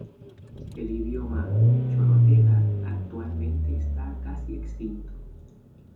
El idioma chorotega actualmente está casi extinto.